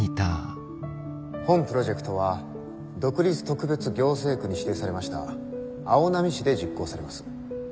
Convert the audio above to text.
本プロジェクトは独立特別行政区に指定されました青波市で実行されます。